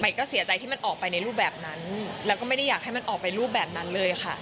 ก็เสียใจที่มันออกไปในรูปแบบนั้นแล้วก็ไม่ได้อยากให้มันออกไปรูปแบบนั้นเลยค่ะ